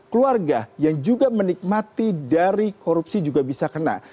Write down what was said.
keluarga yang juga menikmati dari korupsi juga bisa kena